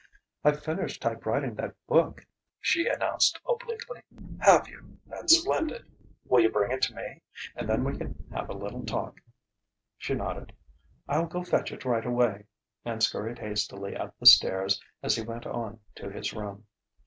"I've finished type writing that book," she announced obliquely. "Have you? That's splendid! Will you bring it to me? And then we can have a little talk." She nodded "I'll go fetch it right away" and scurried hastily up the stairs as he went on to his room.